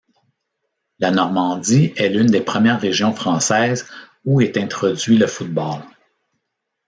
La Normandie est l'une des premières régions françaises où est introduit le football.